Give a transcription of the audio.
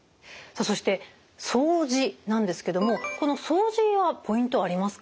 そして掃除なんですけどもこの掃除はポイントはありますか？